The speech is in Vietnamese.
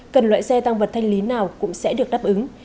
cần loại xe tăng vật thanh lý nào cũng sẽ được đáp ứng